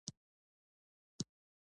او يوه لورډاکټره زرلښته يوسفزۍ پۀ کنېډا